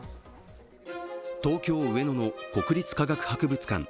東京・上野の国立科学博物館。